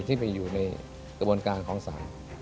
ที่ไปอยู่ในกระบวนการของศาล